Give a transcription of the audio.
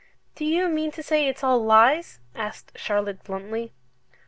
"Do you mean to say it's all lies?" asked Charlotte, bluntly.